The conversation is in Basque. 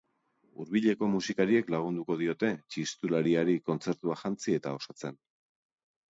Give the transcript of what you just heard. Hurbileko musikariek lagunduko diote, txistulariari kontzertua jantzi eta osatzen.